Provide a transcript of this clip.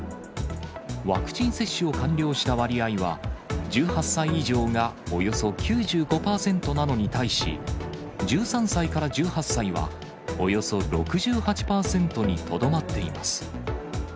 ワクチン接種を完了した割合は、１８歳以上がおよそ９５％なのに対し、１３歳から１８歳はおよそ６８％にとどまっています。